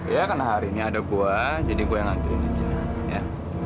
ya karena hari ini ada gua jadi gue yang ngantriin aja ya